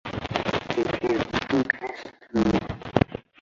今天活动开始啰！